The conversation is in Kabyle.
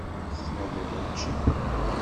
Tettnadiḍ učči?